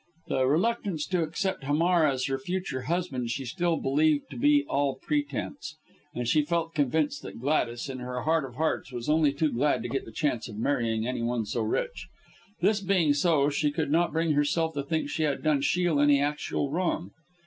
The reluctance to accept Hamar as her future husband she still believed to be all pretence, and she felt convinced that Gladys, in her heart of hearts, was only too glad to get the chance of marrying any one so rich. This being so, she could not bring herself to think she had done Shiel any actual wrong.